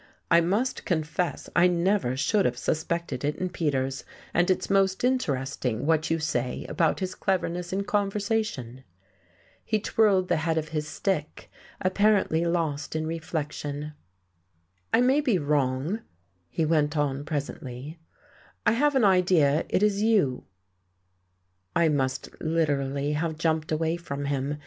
I must confess I never should have suspected it in Peters, and it's most interesting what you say about his cleverness in conversation." He twirled the head of his stick, apparently lost in reflection. "I may be wrong," he went on presently, "I have an idea it is you " I must literally have jumped away from him.